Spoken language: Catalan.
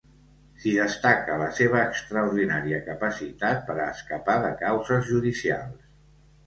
S'hi destaca la seva extraordinària capacitat per a escapar de causes judicials.